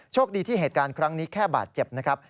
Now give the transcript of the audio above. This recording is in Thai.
คดีที่เหตุการณ์ครั้งนี้แค่บาดเจ็บนะครับ